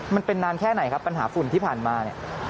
มันเป็นนานแค่ไหนครับปัญหาฝุ่นที่ผ่านมาเนี่ย